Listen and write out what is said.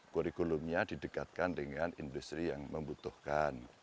kurikulumnya didekatkan dengan industri yang membutuhkan